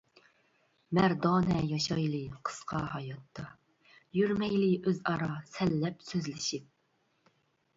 مەردانە ياشايلى قىسقا ھاياتتا، يۈرمەيلى ئۆزئارا «سەن» لەپ سۆزلىشىپ.